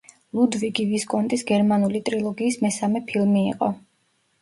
ლუდვიგი ვისკონტის გერმანული ტრილოგიის მესამე ფილმი იყო.